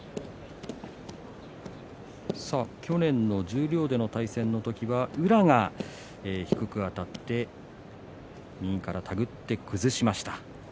去年の十両での対戦の時は宇良が低くあたって右から手繰って崩しました。